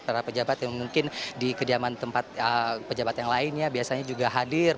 para pejabat yang mungkin di kediaman tempat pejabat yang lainnya biasanya juga hadir